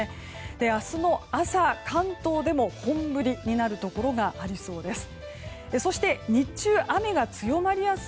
明日の朝、関東でも本降りになるところがありそうです。